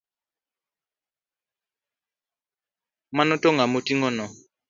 Mano to ang’o miting'ono?